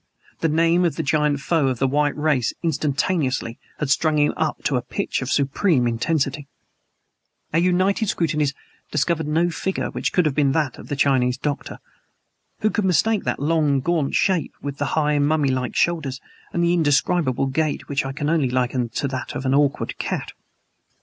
The name of the giant foe of the white race instantaneously had strung him up to a pitch of supreme intensity. Our united scrutinies discovered no figure which could have been that of the Chinese doctor. Who could mistake that long, gaunt shape, with the high, mummy like shoulders, and the indescribable gait, which I can only liken to that of an awkward cat?